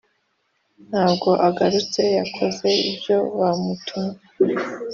ntabwo agarutse yakoze ibyo bamutumye.